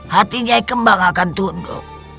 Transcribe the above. hati jaih kembang akan tunduk